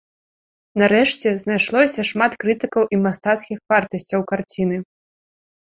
Нарэшце, знайшлося шмат крытыкаў і мастацкіх вартасцяў карціны.